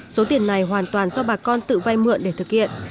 số tiền này hoàn toàn do bà con tự vay mượn để thực hiện